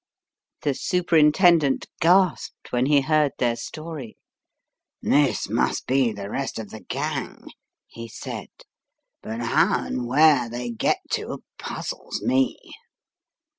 The Superintendent gasped when he heard their story. "This must be the rest of the gang," he said, "but how and where they get to puzzles me!"